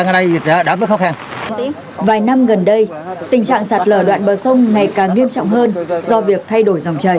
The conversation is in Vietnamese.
khi sạt lở tạo ra đoạn bờ sông bị sạt lở đoạn bờ sông bị sạt lở